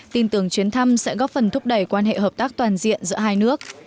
tin tưởng chuyến thăm sẽ góp phần thúc đẩy quan hệ hợp tác toàn diện giữa hai nước